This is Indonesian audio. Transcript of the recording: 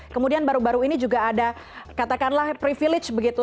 kemudian baru baru ini juga ada katakanlah privilege begitu